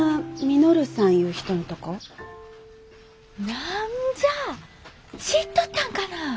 何じゃ知っとったんかな。